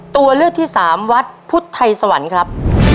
ตัวเลือกที่สามวัดพุทธไทยสวรรค์ครับ